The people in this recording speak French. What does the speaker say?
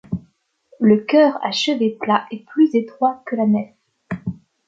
Le chœur à chevet plat est plus étroit que la nef.